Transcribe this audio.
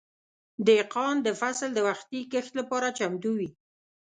دهقان د فصل د وختي کښت لپاره چمتو وي.